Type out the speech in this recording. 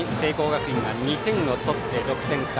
学院が２点を取って６点差。